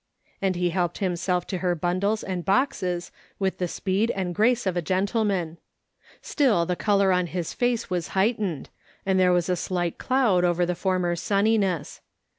'' And he helped himself to her bundles and boxes with the speed and grace of a gentleman. Still, the colour on his face was heightened, and there was a slight cloud over the former suuniness.